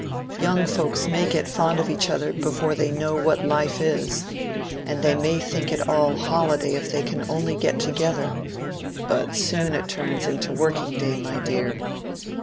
Young folks may get fond of each other before they know what life is, and they may think it all holiday if they can only get together; but it soon turns into working day, my dear.